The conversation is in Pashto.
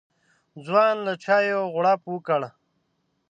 ځوان له چايه غوړپ وکړ.